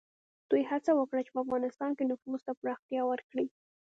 دوی هڅه وکړه چې په افغانستان کې نفوذ ته پراختیا ورکړي.